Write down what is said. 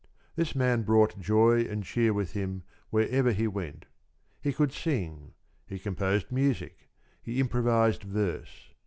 This man brought joy and cheer with him wherever he went. He could sing; he composed music; he improvised verse.